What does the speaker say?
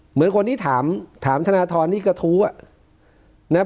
เหมือนคนที่ถามธนธรณ์นี่กระทู้อ่ะ